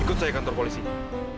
ikut saya kantor polisinya